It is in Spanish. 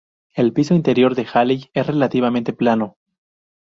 El piso interior de Halley es relativamente plano.